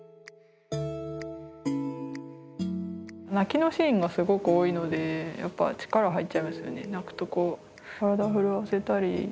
泣きのシーンがすごく多いのでやっぱ力入っちゃいましたね泣くとこ。